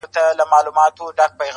o لاس، لاس پېژني.